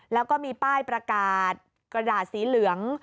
แล้วก็มีป้ายประกาศกระดาษสีเหลือง